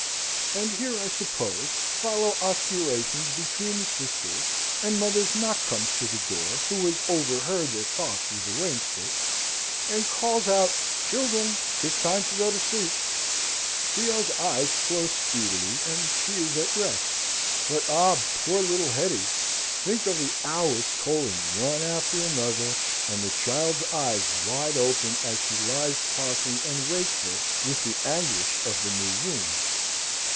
And here, I suppose, follow osculations between the sisters, and mother's knock comes to the door, who has overheard their talk through the wainscot, and calls out, "Children, 'tis time to go to sleep." Theo's eyes close speedily, and she is at rest; but ob, poor little Hetty! Think of the hours tolling one after another, and the child's eyes wide open, as she lies tossing and wakeful with the anguish of the new wound!